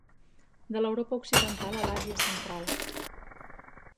De l'Europa occidental a l'Àsia central.